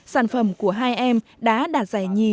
sản phẩm của hai em đã đạt giải nhì